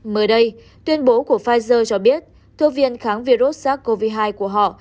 mới đây tuyên bố của pfizer cho biết thuốc viên kháng virus sars cov hai của họ